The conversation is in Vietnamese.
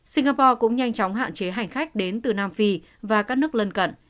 singapore cũng nhanh chóng hạn chế hành khách đến từ nam phi và các nước lân cận